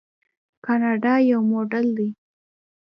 کاناډا یو موډل دی.